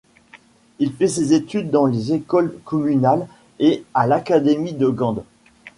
Il fit ses études dans les écoles communales et à l’Académie de Gand.